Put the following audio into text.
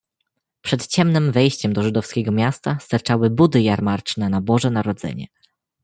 "Przed ciemnem wejściem do żydowskiego miasta sterczały budy jarmarczne na Boże Narodzenie."